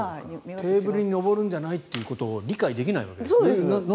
テーブルに上るんじゃないということを理解できないわけですね。